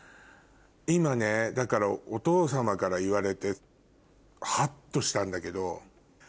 今ねだからお父様から言われてハッとしたんだけど。